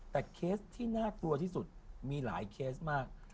แต่เคสที่น่ากลัวที่สุดมีหลายเคสมาก